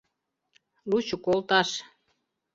Лучо колташ.